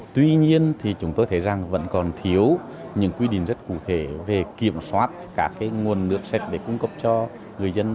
tuy nhiên thì chúng tôi thấy rằng vẫn còn thiếu những quy định rất cụ thể về kiểm soát các nguồn nước sạch để cung cấp cho người dân